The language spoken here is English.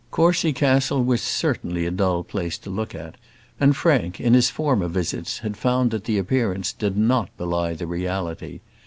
Courcy Castle was certainly a dull place to look at, and Frank, in his former visits, had found that the appearance did not belie the reality.